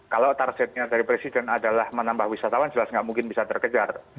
kalau targetnya dari presiden adalah menambah wisatawan jelas nggak mungkin bisa terkejar